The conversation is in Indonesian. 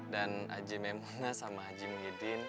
dan aji memunga sama aji muhyiddin